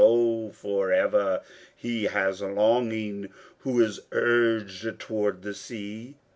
Oh, forever he has longing who is urged towards the sea.